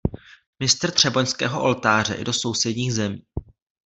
Mistr Třeboňského oltáře i do sousedních zemí.